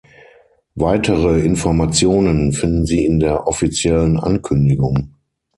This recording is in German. Weitere Informationen finden Sie in der offiziellen Ankündigung.